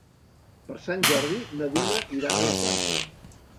Per Sant Jordi na Duna irà a la platja.